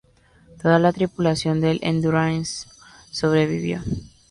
Toda la tripulación del "Endurance" sobrevivió.